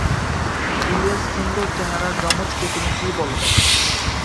ইলিয়াস সুন্দর চেহারার যমজকে তুমি কী বলবে?